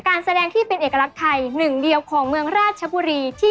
การแสดงที่เป็นเอกลักษณ์ไทยหนึ่งเดียวของเมืองราชบุรีที่